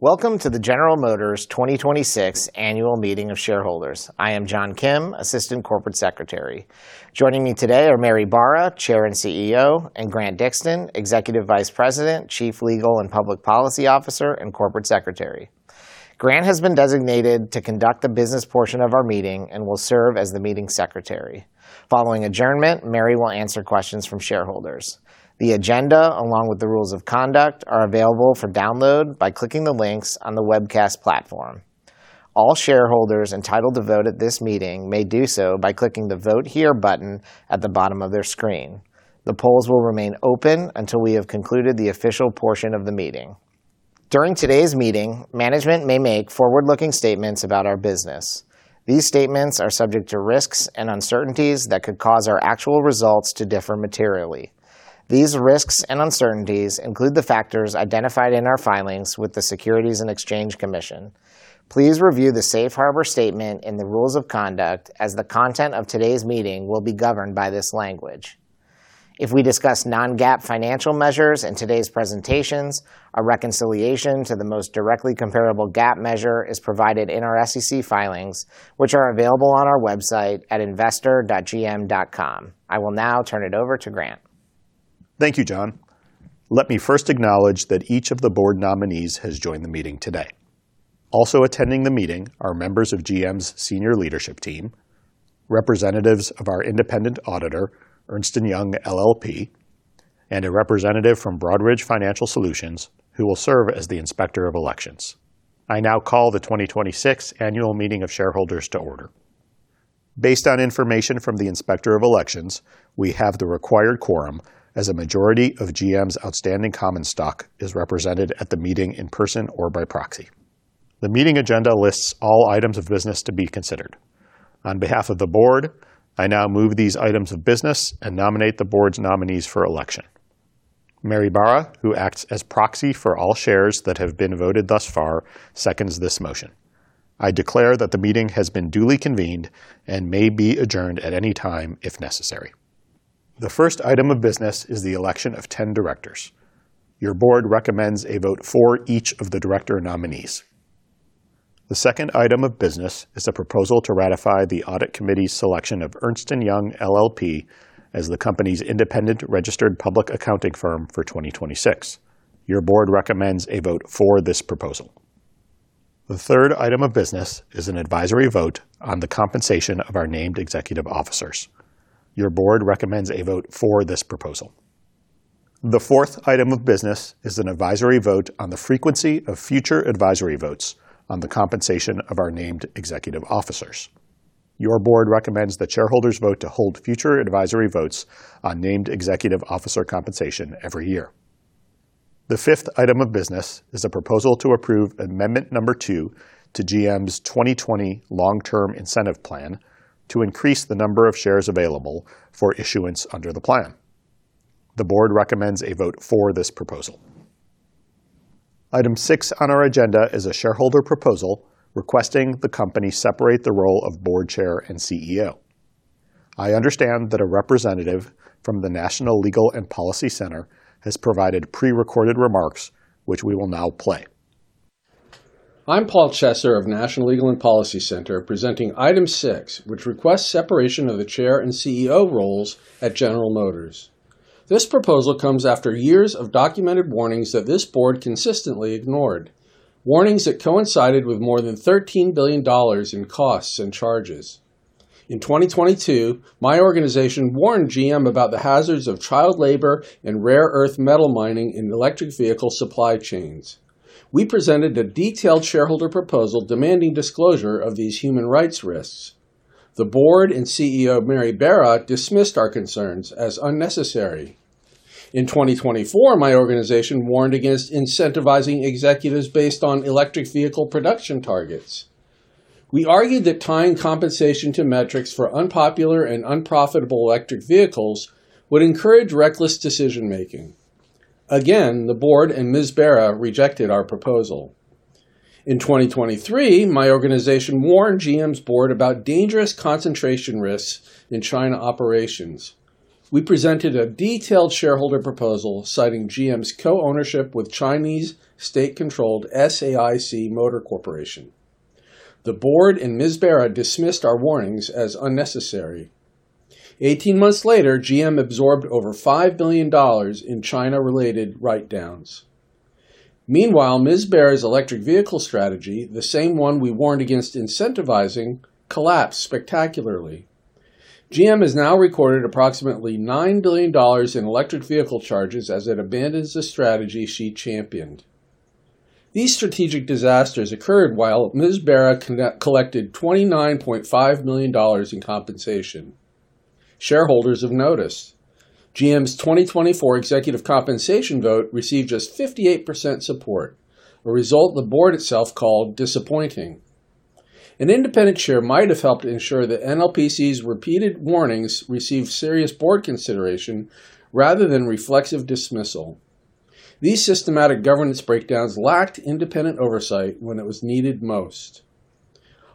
Welcome to the General Motors 2026 annual meeting of shareholders. I am John Kim, Assistant Corporate Secretary. Joining me today are Mary Barra, Chair and CEO, and Grant Dixton, Executive Vice President, Chief Legal and Public Policy Officer and Corporate Secretary. Grant has been designated to conduct the business portion of our meeting and will serve as the meeting secretary. Following adjournment, Mary will answer questions from shareholders. The agenda, along with the rules of conduct, are available for download by clicking the links on the webcast platform. All shareholders entitled to vote at this meeting may do so by clicking the Vote Here button at the bottom of their screen. The polls will remain open until we have concluded the official portion of the meeting. During today's meeting, management may make forward-looking statements about our business. These statements are subject to risks and uncertainties that could cause our actual results to differ materially. These risks and uncertainties include the factors identified in our filings with the Securities and Exchange Commission. Please review the Safe Harbor statement in the rules of conduct as the content of today's meeting will be governed by this language. If we discuss non-GAAP financial measures in today's presentations, a reconciliation to the most directly comparable GAAP measure is provided in our SEC filings, which are available on our website at investor.gm.com. I will now turn it over to Grant. Thank you, John. Let me first acknowledge that each of the board nominees has joined the meeting today. Also attending the meeting are members of GM's senior leadership team, representatives of our independent auditor, Ernst & Young LLP, and a representative from Broadridge Financial Solutions, who will serve as the Inspector of Elections. I now call the 2026 annual meeting of shareholders to order. Based on information from the Inspector of Elections, we have the required quorum, as a majority of GM's outstanding common stock is represented at the meeting in person or by proxy. The meeting agenda lists all items of business to be considered. On behalf of the board, I now move these items of business and nominate the board's nominees for election. Mary Barra, who acts as proxy for all shares that have been voted thus far, seconds this motion. I declare that the meeting has been duly convened and may be adjourned at any time if necessary. The first item of business is the election of 10 directors. Your board recommends a vote for each of the director nominees. The second item of business is a proposal to ratify the Audit Committee's selection of Ernst & Young LLP as the company's independent registered public accounting firm for 2026. Your board recommends a vote for this proposal. The third item of business is an advisory vote on the compensation of our named executive officers. Your board recommends a vote for this proposal. The fourth item of business is an advisory vote on the frequency of future advisory votes on the compensation of our named executive officers. Your board recommends that shareholders vote to hold future advisory votes on named executive officer compensation every year. The fifth item of business is a proposal to approve amendment number two to GM's 2020 long-term incentive plan to increase the number of shares available for issuance under the plan. The board recommends a vote for this proposal. Item six on our agenda is a shareholder proposal requesting the company separate the role of board chair and CEO. I understand that a representative from the National Legal and Policy Center has provided pre-recorded remarks, which we will now play. I'm Paul Chesser of National Legal and Policy Center, presenting item six, which requests separation of the Chair and CEO roles at General Motors. This proposal comes after years of documented warnings that this board consistently ignored, warnings that coincided with more than $13 billion in costs and charges. In 2022, my organization warned GM about the hazards of child labor and rare earth metal mining in electric vehicle supply chains. We presented a detailed shareholder proposal demanding disclosure of these human rights risks. The board and CEO, Mary Barra, dismissed our concerns as unnecessary. In 2024, my organization warned against incentivizing executives based on electric vehicle production targets. We argued that tying compensation to metrics for unpopular and unprofitable electric vehicles would encourage reckless decision-making. Again, the board and Ms. Barra rejected our proposal. In 2023, my organization warned GM's board about dangerous concentration risks in China operations. We presented a detailed shareholder proposal citing GM's co-ownership with Chinese state-controlled SAIC Motor Corporation. The board and Ms. Barra dismissed our warnings as unnecessary. 18 months later, GM absorbed over $5 billion in China-related write downs. Ms. Barra's electric vehicle strategy, the same one we warned against incentivizing, collapsed spectacularly. GM has now recorded approximately $9 billion in electric vehicle charges as it abandons the strategy she championed. These strategic disasters occurred while Ms. Barra collected $29.5 million in compensation. Shareholders have noticed. GM's 2024 executive compensation vote received just 58% support, a result the board itself called disappointing. An independent chair might have helped ensure that NLPC's repeated warnings received serious board consideration rather than reflexive dismissal. These systematic governance breakdowns lacked independent oversight when it was needed most.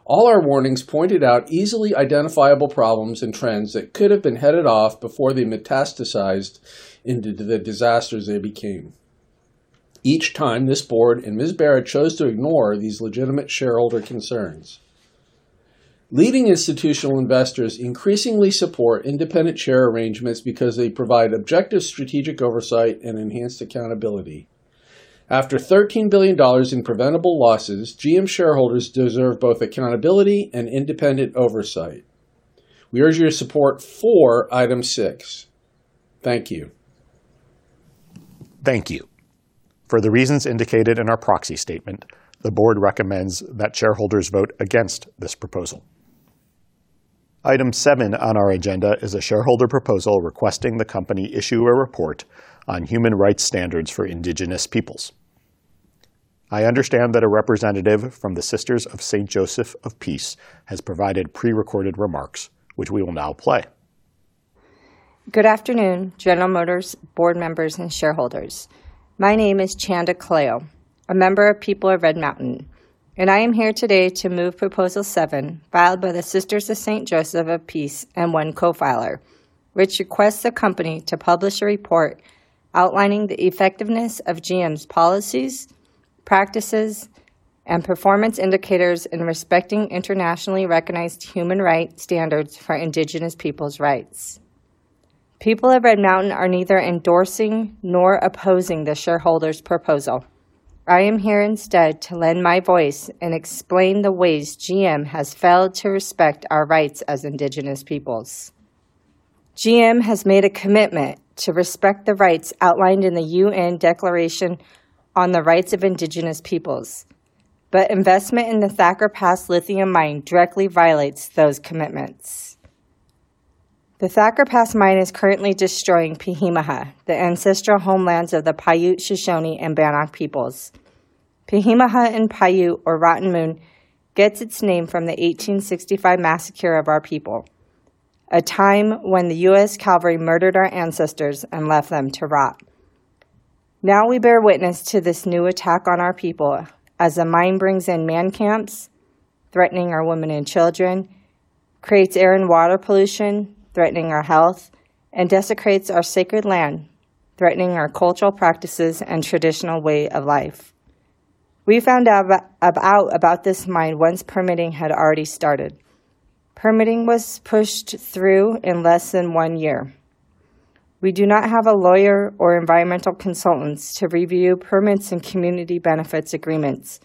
All our warnings pointed out easily identifiable problems and trends that could have been headed off before they metastasized into the disasters they became. Each time, this board and Ms. Barra chose to ignore these legitimate shareholder concerns. Leading institutional investors increasingly support independent chair arrangements because they provide objective strategic oversight and enhanced accountability. After $13 billion in preventable losses, GM shareholders deserve both accountability and independent oversight. We urge your support for item six. Thank you. Thank you. For the reasons indicated in our proxy statement, the board recommends that shareholders vote against this proposal. Item seven on our agenda is a shareholder proposal requesting the company issue a report on human rights standards for indigenous peoples. I understand that a representative from the Sisters of St. Joseph of Peace has provided pre-recorded remarks, which we will now play. Good afternoon, General Motors board members and shareholders. My name is Chanda Callao, a member of People of Red Mountain, and I am here today to move proposal seven filed by the Sisters of St. Joseph of Peace and one co-filer, which requests the company to publish a report outlining the effectiveness of GM's policies, practices, and performance indicators in respecting internationally recognized human rights standards for Indigenous Peoples' rights. People of Red Mountain are neither endorsing nor opposing the shareholder's proposal. I am here instead to lend my voice and explain the ways GM has failed to respect our rights as Indigenous Peoples. GM has made a commitment to respect the rights outlined in the UN Declaration on the Rights of Indigenous Peoples, but investment in the Thacker Pass lithium mine directly violates those commitments. The Thacker Pass mine is currently destroying Peehee Mu'huh, the ancestral homelands of the Paiute, Shoshone, and Bannock peoples. Peehee Mu'huh in Paiute or Rotten Moon gets its name from the 1865 massacre of our people, a time when the U.S. Cavalry murdered our ancestors and left them to rot. Now we bear witness to this new attack on our people as a mine brings in man camps, threatening our women and children, creates air and water pollution, threatening our health, and desecrates our sacred land, threatening our cultural practices and traditional way of life. We found out about this mine once permitting had already started. Permitting was pushed through in less than one year. We do not have a lawyer or environmental consultants to review permits and community benefits agreements.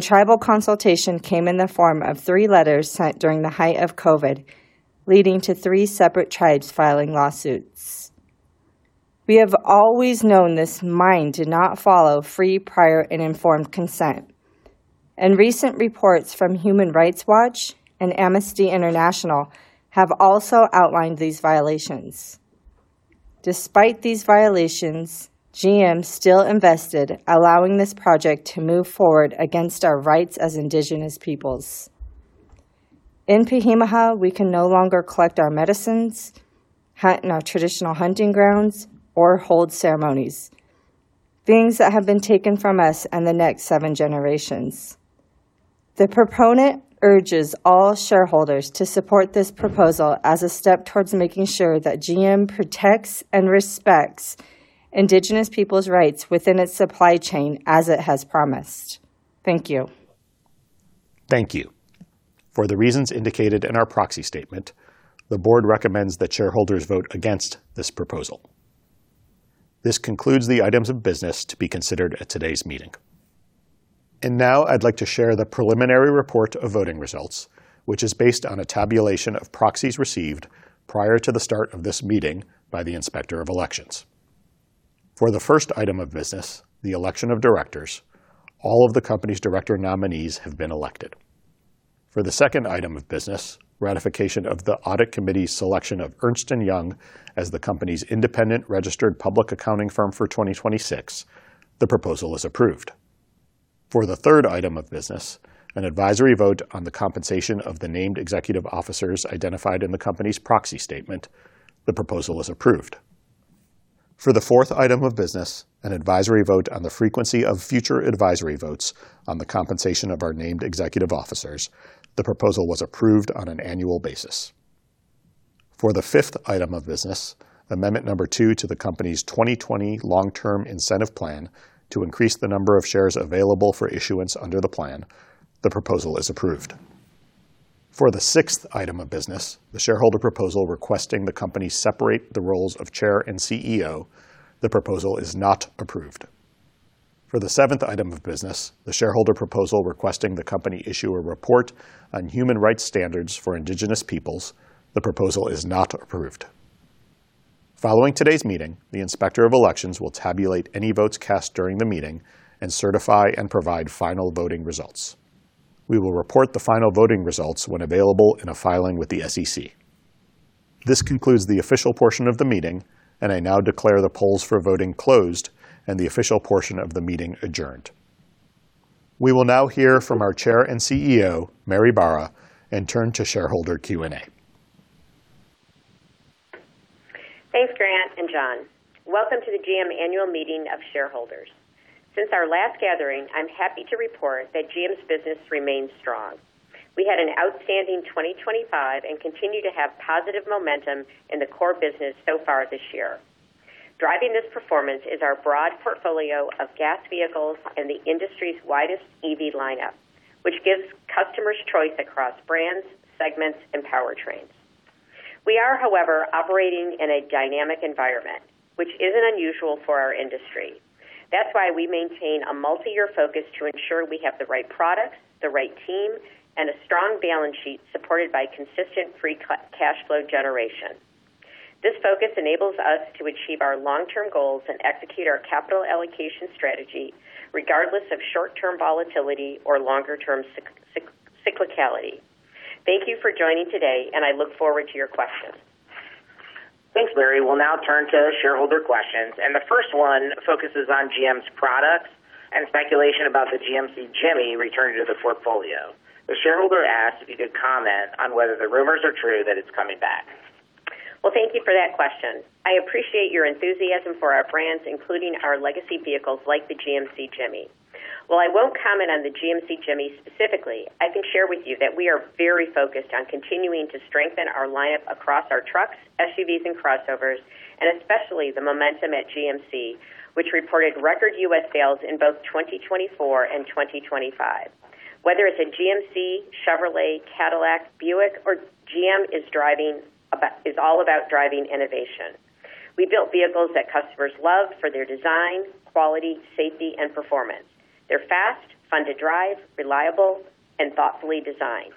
Tribal consultation came in the form of three letters sent during the height of COVID, leading to three separate tribes filing lawsuits. We have always known this mine did not follow free, prior, and informed consent. Recent reports from Human Rights Watch and Amnesty International have also outlined these violations. Despite these violations, GM still invested, allowing this project to move forward against our rights as indigenous peoples. In Peehee Mu'huh, we can no longer collect our medicines, hunt in our traditional hunting grounds, or hold ceremonies, things that have been taken from us and the next seven generations. The proponent urges all shareholders to support this proposal as a step towards making sure that GM protects and respects indigenous peoples rights within its supply chain as it has promised. Thank you. Thank you. For the reasons indicated in our proxy statement, the board recommends that shareholders vote against this proposal. This concludes the items of business to be considered at today's meeting. Now I'd like to share the preliminary report of voting results, which is based on a tabulation of proxies received prior to the start of this meeting by the Inspector of Elections. For the first item of business, the election of directors, all of the company's director nominees have been elected. For the second item of business, ratification of the Audit Committee's selection of Ernst & Young as the company's independent registered public accounting firm for 2026, the proposal is approved. For the third item of business, an advisory vote on the compensation of the named executive officers identified in the company's proxy statement, the proposal is approved. For the fourth item of business, an advisory vote on the frequency of future advisory votes on the compensation of our named executive officers, the proposal was approved on an annual basis. For the fifth item of business, amendment number two to the company's 2020 long-term incentive plan to increase the number of shares available for issuance under the plan, the proposal is approved. For the sixth item of business, the shareholder proposal requesting the company separate the roles of chair and CEO, the proposal is not approved. For the seventh item of business, the shareholder proposal requesting the company issue a report on human rights standards for Indigenous Peoples, the proposal is not approved. Following today's meeting, the Inspector of Elections will tabulate any votes cast during the meeting and certify and provide final voting results. We will report the final voting results when available in a filing with the SEC. This concludes the official portion of the meeting, and I now declare the polls for voting closed and the official portion of the meeting adjourned. We will now hear from our Chair and CEO, Mary Barra, and turn to shareholder Q&A. Thanks, Grant and John. Welcome to the GM Annual Meeting of Shareholders. Since our last gathering, I'm happy to report that GM's business remains strong. We had an outstanding 2025 and continue to have positive momentum in the core business so far this year. Driving this performance is our broad portfolio of gas vehicles and the industry's widest EV lineup, which gives customers choice across brands, segments, and powertrains. We are, however, operating in a dynamic environment, which isn't unusual for our industry. That's why we maintain a multi-year focus to ensure we have the right product, the right team, and a strong balance sheet supported by consistent free cash flow generation. This focus enables us to achieve our long-term goals and execute our capital allocation strategy, regardless of short-term volatility or longer-term cyclicality. Thank you for joining today, and I look forward to your questions. Thanks, Mary. We'll now turn to shareholder questions, and the first one focuses on GM's products and speculation about the GMC Jimmy returning to the portfolio. The shareholder asked if you could comment on whether the rumors are true that it's coming back. Well, thank you for that question. I appreciate your enthusiasm for our brands, including our legacy vehicles like the GMC Jimmy. While I won't comment on the GMC Jimmy specifically, I can share with you that we are very focused on continuing to strengthen our lineup across our trucks, SUVs, and crossovers, and especially the momentum at GMC, which reported record U.S. sales in both 2024 and 2025. Whether it's a GMC, Chevrolet, Cadillac, Buick, or GM is all about driving innovation. We built vehicles that customers love for their design, quality, safety, and performance. They're fast, fun to drive, reliable, and thoughtfully designed.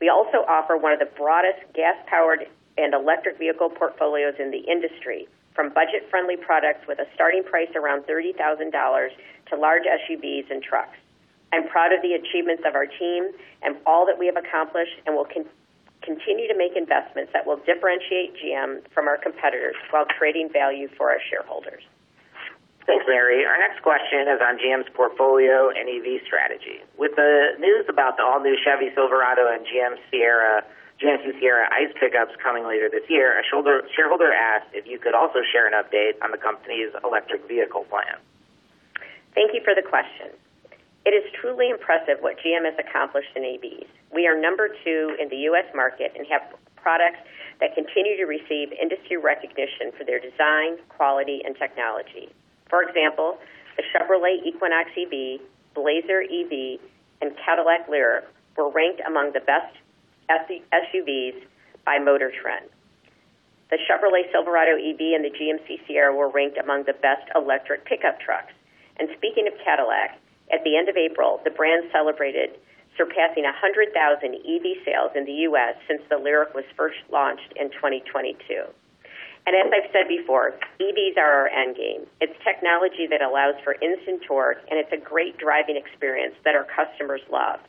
We also offer one of the broadest gas-powered and electric vehicle portfolios in the industry, from budget-friendly products with a starting price around $30,000 to large SUVs and trucks. I'm proud of the achievements of our team and all that we have accomplished, and we'll continue to make investments that will differentiate GM from our competitors while creating value for our shareholders. Thanks, Mary. Our next question is on GM's portfolio and EV strategy. With the news about the all-new Chevy Silverado and GMC Sierra ICE pickups coming later this year, a shareholder asked if you could also share an update on the company's electric vehicle plan. Thank you for the question. It is truly impressive what GM has accomplished in EVs. We are number two in the U.S. market and have products that continue to receive industry recognition for their design, quality, and technology. For example, the Chevrolet Equinox EV, Blazer EV, and Cadillac LYRIQ were ranked among the best SUVs by MotorTrend. The Chevrolet Silverado EV and the GMC Sierra were ranked among the best electric pickup trucks. Speaking of Cadillac, at the end of April, the brand celebrated surpassing 100,000 EV sales in the U.S. since the LYRIQ was first launched in 2022. As I've said before, EVs are our end game. It's technology that allows for instant torque, and it's a great driving experience that our customers love.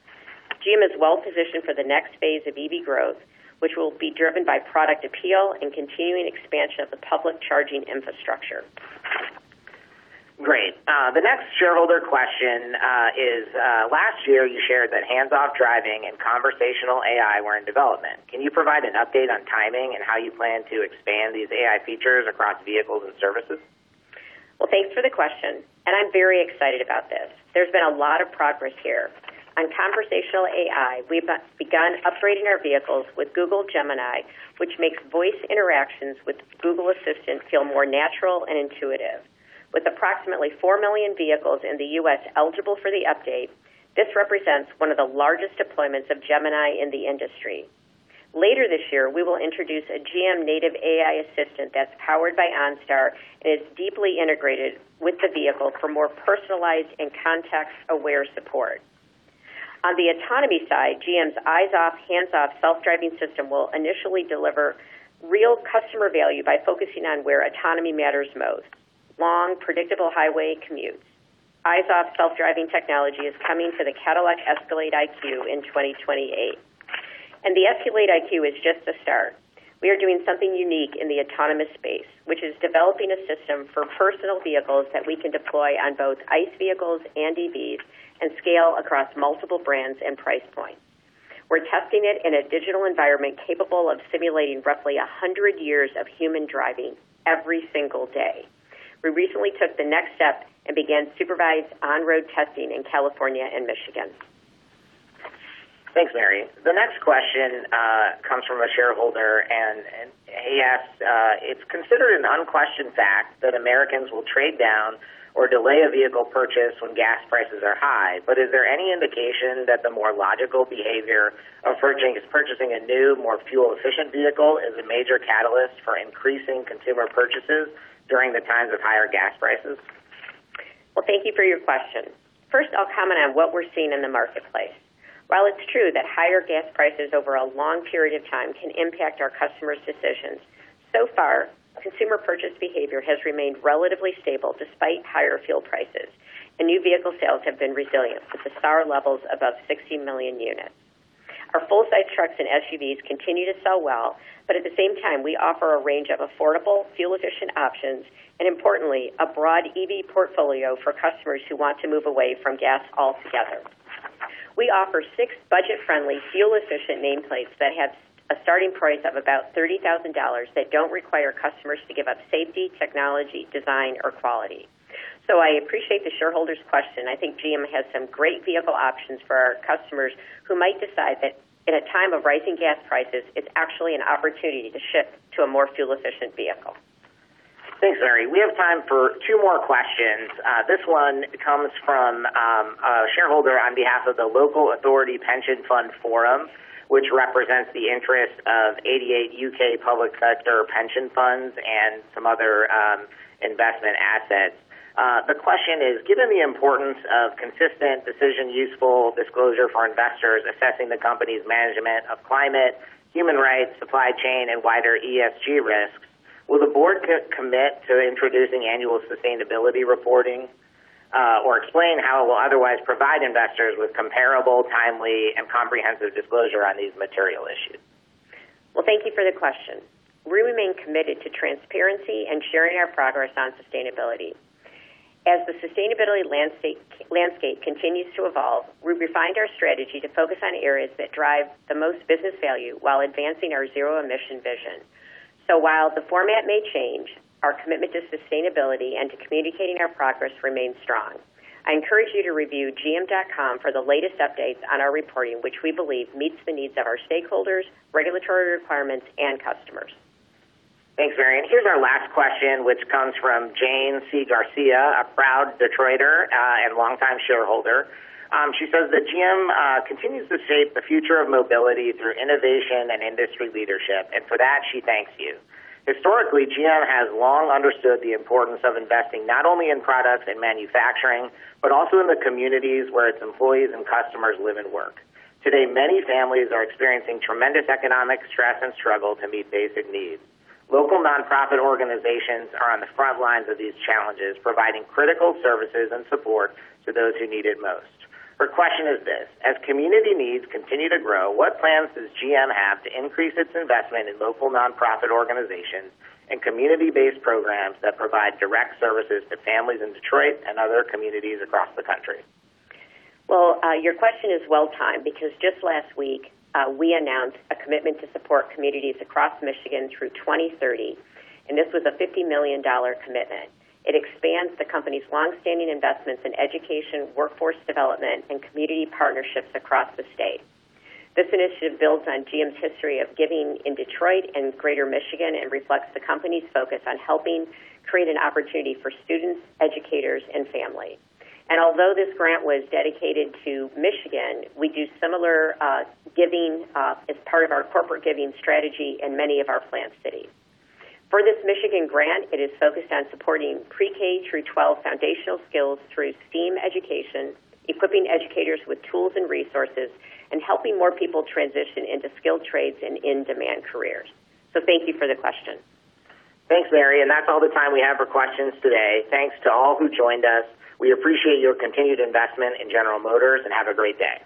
GM is well-positioned for the next phase of EV growth, which will be driven by product appeal and continuing expansion of the public charging infrastructure. Great. The next shareholder question is, last year you shared that hands-off driving and conversational AI were in development. Can you provide an update on timing and how you plan to expand these AI features across vehicles and services? Well, thanks for the question, and I'm very excited about this. There's been a lot of progress here. On conversational AI, we've begun upgrading our vehicles with Google Gemini, which makes voice interactions with Google Assistant feel more natural and intuitive. With approximately 4 million vehicles in the U.S. eligible for the update, this represents one of the largest deployments of Gemini in the industry. Later this year, we will introduce a GM native AI assistant that's powered by OnStar and is deeply integrated with the vehicle for more personalized and context-aware support. On the autonomy side, GM's eyes-off, hands-off self-driving system will initially deliver real customer value by focusing on where autonomy matters most, long, predictable highway commutes. Eyes-off self-driving technology is coming to the Cadillac Escalade IQ in 2028. The Escalade IQ is just the start. We are doing something unique in the autonomous space, which is developing a system for personal vehicles that we can deploy on both ICE vehicles and EVs and scale across multiple brands and price points. We're testing it in a digital environment capable of simulating roughly 100 years of human driving every single day. We recently took the next step and began supervised on-road testing in California and Michigan. Thanks, Mary. The next question comes from a shareholder, and he asked, it's considered an unquestioned fact that Americans will trade down or delay a vehicle purchase when gas prices are high. Is there any indication that the more logical behavior of purchasing a new, more fuel-efficient vehicle is a major catalyst for increasing consumer purchases during the times of higher gas prices? Well, thank you for your question. First, I'll comment on what we're seeing in the marketplace. While it's true that higher gas prices over a long period of time can impact our customers' decisions, so far, consumer purchase behavior has remained relatively stable despite higher fuel prices, and new vehicle sales have been resilient, with SAAR levels above 16 million units. Our full-size trucks and SUVs continue to sell well, but at the same time, we offer a range of affordable fuel-efficient options, and importantly, a broad EV portfolio for customers who want to move away from gas altogether. We offer six budget-friendly, fuel-efficient nameplates that have a starting price of about $30,000 that don't require customers to give up safety, technology, design, or quality. I appreciate the shareholder's question. I think GM has some great vehicle options for our customers who might decide that in a time of rising gas prices, it's actually an opportunity to shift to a more fuel-efficient vehicle. Thanks, Mary. We have time for two more questions. This one comes from a shareholder on behalf of the Local Authority Pension Fund Forum, which represents the interest of 88 U.K. public sector pension funds and some other investment assets. The question is, given the importance of consistent, decision-useful disclosure for investors assessing the company's management of climate, human rights, supply chain, and wider ESG risks, will the board commit to introducing annual sustainability reporting? Explain how it will otherwise provide investors with comparable, timely, and comprehensive disclosure on these material issues. Well, thank you for the question. We remain committed to transparency and sharing our progress on sustainability. As the sustainability landscape continues to evolve, we've refined our strategy to focus on areas that drive the most business value while advancing our zero-emission vision. While the format may change, our commitment to sustainability and to communicating our progress remains strong. I encourage you to review gm.com for the latest updates on our reporting, which we believe meets the needs of our stakeholders, regulatory requirements, and customers. Thanks, Mary. Here's our last question, which comes from Jane C. Garcia, a proud Detroiter and longtime shareholder. She says that GM continues to shape the future of mobility through innovation and industry leadership, and for that, she thanks you. Historically, GM has long understood the importance of investing, not only in products and manufacturing, but also in the communities where its employees and customers live and work. Today, many families are experiencing tremendous economic stress and struggle to meet basic needs. Local nonprofit organizations are on the front lines of these challenges, providing critical services and support to those who need it most. Her question is this: as community needs continue to grow, what plans does GM have to increase its investment in local nonprofit organizations and community-based programs that provide direct services to families in Detroit and other communities across the country? Well, your question is well-timed because just last week, we announced a commitment to support communities across Michigan through 2030. This was a $50 million commitment. It expands the company's long-standing investments in education, workforce development, and community partnerships across the state. This initiative builds on GM's history of giving in Detroit and greater Michigan and reflects the company's focus on helping create an opportunity for students, educators, and families. Although this grant was dedicated to Michigan, we do similar giving as part of our corporate giving strategy in many of our plant cities. For this Michigan grant, it is focused on supporting pre-K through 12 foundational skills through STEAM education, equipping educators with tools and resources, and helping more people transition into skilled trades and in-demand careers. Thank you for the question. Thanks, Mary, and that's all the time we have for questions today. Thanks to all who joined us. We appreciate your continued investment in General Motors, and have a great day.